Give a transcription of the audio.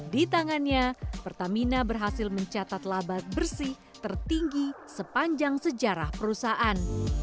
di tangannya pertamina berhasil mencatat laba bersih tertinggi sepanjang sejarah perusahaan